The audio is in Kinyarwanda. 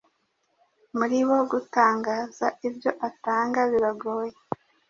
Muri bo gutangaza ibyo atanga biragoye